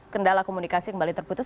kendala komunikasi kembali terputus